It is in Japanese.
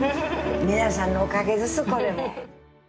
皆さんのおかげですこれも。